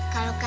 kalau kak cika